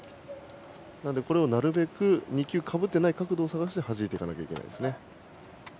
これをなるべく２球かぶっていない角度を探してはじいていかないといけません。